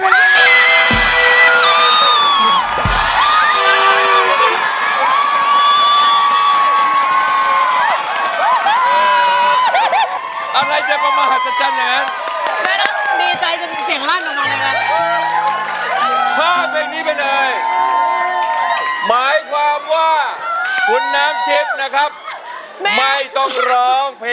พี่ไม่ต้องร้องแต่ตอนนี้คุณแม่ร้องแล้ว